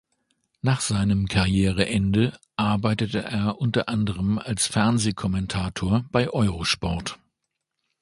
Nach seinem Karriereende arbeitete er unter anderem als Fernsehkommentator bei Eurosport.